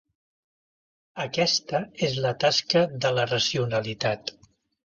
Aquesta és la tasca de la racionalitat.